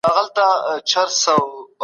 هغه سړی تر موږ ډېر ليري بل ښار ته تللی و.